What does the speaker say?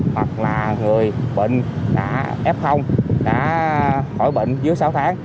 hoặc là người bệnh đã ép không đã khỏi bệnh dưới sáu tháng